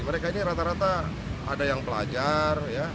mereka ini rata rata ada yang pelajar